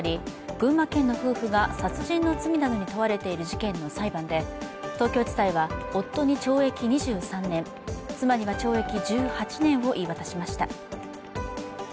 群馬県の夫婦が殺人の罪などに問われている事件の裁判で東京地裁は夫に懲役２３年、妻には懲役１８年を言い渡しました。